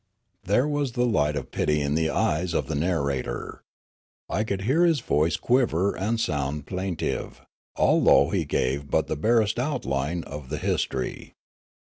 There was the light of pity in the eyes of the nar rator. I could hear his voice quiver and sound plaint ive, although he gave but the barest outline of the historj'.